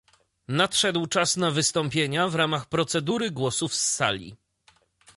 Nadszedł czas na wystąpienia w ramach procedury głosów z sali